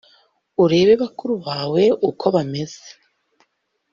Urebe bakuru bawe uko bameze